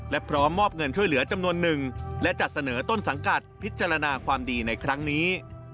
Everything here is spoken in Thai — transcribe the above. และพร้อมมอบเงินช่วยเหลือจำนวนหนึ่งและจัดเสนอต้นสังกัดพิจารณาความดีในครั้งนี้